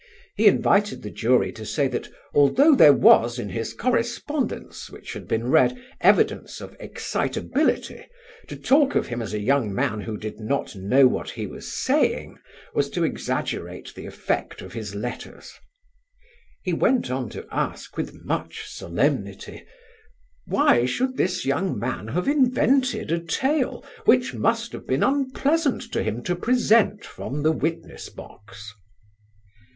He invited the jury to say that "although there was, in his correspondence which had been read, evidence of excitability, to talk of him as a young man who did not know what he was saying was to exaggerate the effect of his letters." He went on to ask with much solemnity: "Why should this young man have invented a tale, which must have been unpleasant to him to present from the witness box?"